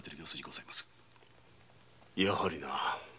やはりな。